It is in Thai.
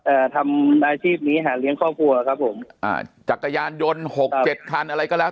เอ่อทำอาชีพนี้หาเลี้ยงครอบครัวครับผมอ่าจักรยานยนต์หกเจ็ดคันอะไรก็แล้ว